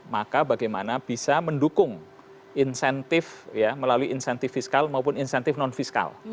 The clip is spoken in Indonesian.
maka bagaimana bisa mendukung insentif melalui insentif fiskal maupun insentif non fiskal